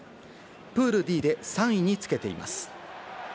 プールＤで３位につけています。